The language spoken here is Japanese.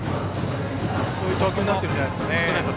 そういう投球になっているんじゃないでしょうか。